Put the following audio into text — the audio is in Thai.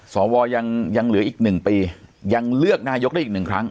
สวยังเหลืออีก๑ปียังเลือกนายกได้อีกหนึ่งครั้ง